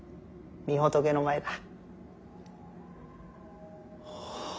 御仏の前だ。